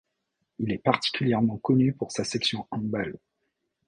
Il est particulièrement connu pour sa section handball.